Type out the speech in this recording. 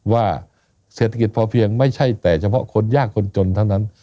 ว่าเศรษฐกิจพอเพียงไม่ใช่แต่เฉพาะคนยากคนจนเท่านั้น